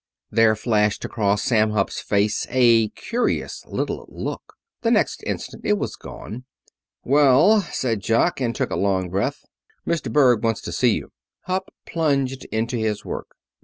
There flashed across Sam Hupp's face a curious little look. The next instant it was gone. "Well," said Jock, and took a long breath. "Mr. Berg wants to see you." Hupp plunged into his work.